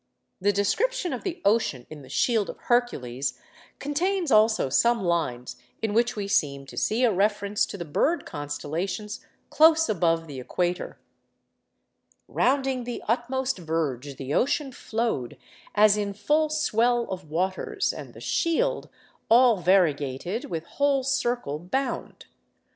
The description of the ocean in the 'Shield of Hercules' contains also some lines, in which we seem to see a reference to the bird constellations close above the equator:— Rounding the utmost verge the ocean flow'd As in full swell of waters, and the shield All variegated with whole circle bound.